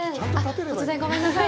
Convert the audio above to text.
突然ごめんなさい。